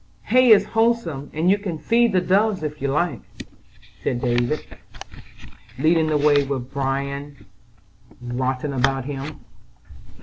Hay is wholesome, and you can feed the doves if you like," said David, leading the way with Bran rioting about him.